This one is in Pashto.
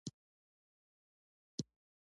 زه پر خپلو ژمنو ولاړ یم.